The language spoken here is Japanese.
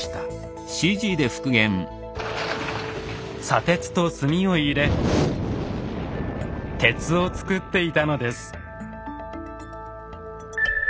砂鉄と炭を入れ鉄をつくっていたのです。